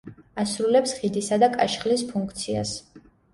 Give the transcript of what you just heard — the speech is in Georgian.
ასრულებს ხიდისა და კაშხლის ფუნქციას.